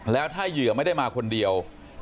แล้วถ้าเหยื่อไม่ได้มาคนเดียว